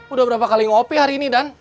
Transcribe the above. udah berapa kali ngopi hari ini dan